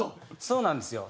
そうなんですよ。